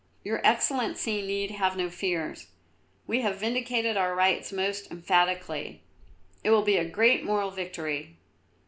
"Your Excellency need have no fears. We have vindicated our rights most emphatically; it will be a great moral victory."